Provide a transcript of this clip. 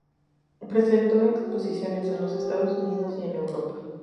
Presentó exposiciones en los Estados Unidos y en Europa.